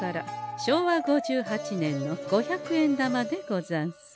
昭和５８年の五百円玉でござんす。